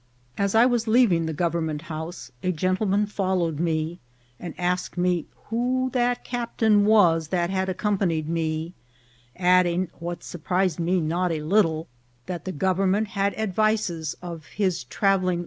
As I was leaving the Government House a gentleman followed me, and asked me who that captain was that had accompanied me, adding, what surprised me not a little, that the government had advices of his travelling 126 INCIDENTS OF TRAVEL.